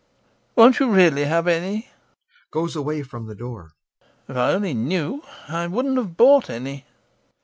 Won't you really have any? [Goes away from the door] If I only knew I wouldn't have bought any.